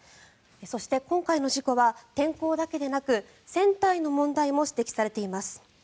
そして今回の事故は天候だけでなく船体の問題も指摘されています。